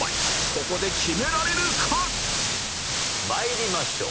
ここでまいりましょう。